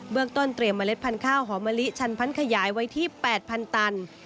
เมืองต้นเตรียมเมล็ดพันธุ์ข้าวหอมะลิชันพันขยายไว้ที่๘๐๐ตัน